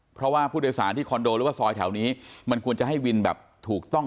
เพราะว่าผู้โดยสารที่คอนโดหรือว่าซอยแถวนี้มันควรจะให้วินแบบถูกต้อง